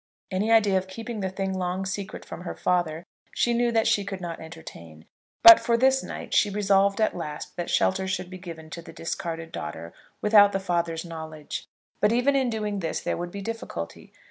Any idea of keeping the thing long secret from her father she knew that she could not entertain; but for this night she resolved at last that shelter should be given to the discarded daughter without the father's knowledge. But even in doing this there would be difficulty.